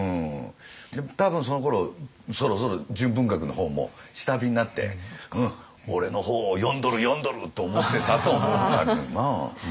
多分そのころそろそろ純文学の方も下火になって「俺の本を読んどる読んどる！」と思ってたと思うんだけどな。